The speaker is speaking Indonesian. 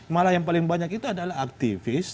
malah yang paling banyak itu adalah aktivis